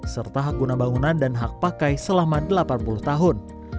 serta hak guna bangunan dan hak pakai selama delapan puluh tahun